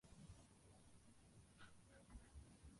Abagore batanu bageze mu za bukuru bicaye bareba n'abasaza